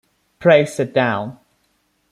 Pray sit down.